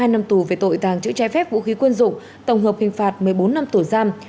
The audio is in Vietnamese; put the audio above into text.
hai năm tù về tội tàng trữ trái phép vũ khí quân dụng tổng hợp hình phạt một mươi bốn năm tù giam